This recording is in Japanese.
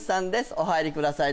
お入りください